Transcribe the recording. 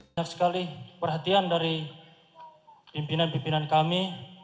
banyak sekali perhatian dari pimpinan pimpinan kami